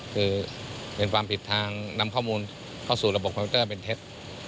คือเป็นความผิดทางนำข้อมูลเข้าสู่ระบบคอมพิวเตอร์เป็นเท็จ